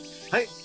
はい！